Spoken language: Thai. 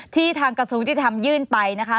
ทางกระทรวงยุติธรรมยื่นไปนะคะ